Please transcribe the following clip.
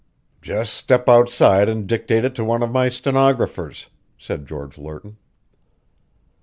"Just step outside and dictate it to one of my stenographers," said George Lerton.